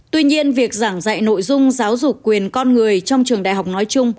tuy nhiên việc giảng dạy nội dung giáo dục quyền con người trong trường đại học